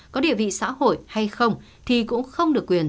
có địa vị xã hội hay không thì cũng không được quyền